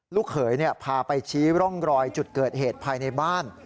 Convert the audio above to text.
ลูกเขยพาไปชี้ร่องรอยจุดเกิดเหตุภายในบ้าน